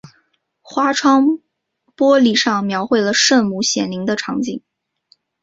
花窗玻璃上描绘了圣母显灵的场景。